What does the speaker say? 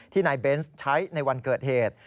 นายเบนส์ใช้ในวันเกิดเหตุ